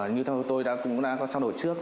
như tôi đã cũng đã có trao đổi trước